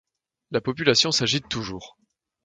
La population s’agite toujours.